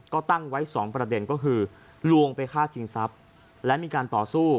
ก็ตั้งไว้สองประเด็นก็คือลวงไปฆ่าชิงทรัพย์และมีการต่อสู้